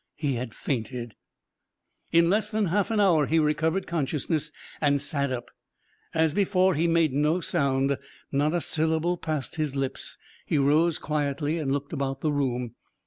He had fainted. In less than half an hour he recovered consciousness and sat up. As before, he made no sound. Not a syllable passed his lips. He rose quietly and looked about the room.